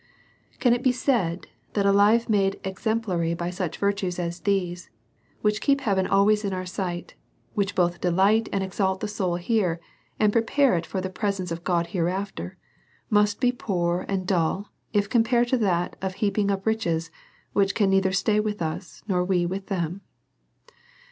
Can it be said, that a life made exemplary by such virtues as these, which keep heaven always in our sight, which both delight and exalt the soul here, and prepare it for the presence of God hereafter, must be poor and dull, if compared to that of heaping up rich es, which can neither stay with us nor we with them?